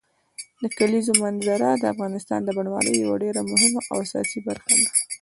د کلیزو منظره د افغانستان د بڼوالۍ یوه ډېره مهمه او اساسي برخه ده.